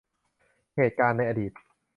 เหตุการณ์ในอดีต